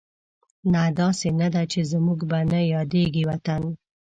نه، داسې نه ده چې زموږ به نه یادېږي وطن